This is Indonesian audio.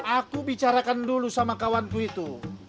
aku bicarakan dulu sama kawanku itu